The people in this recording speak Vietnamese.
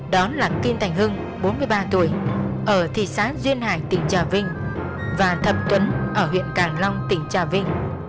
đó là kim thành hưng bốn mươi ba tuổi ở thị xã duyên hải tỉnh trà vinh và thẩm tuấn ở huyện càng long tỉnh trà vinh